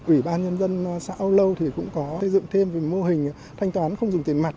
ủy ban nhân dân xã âu lâu thì cũng có xây dựng thêm về mô hình thanh toán không dùng tiền mặt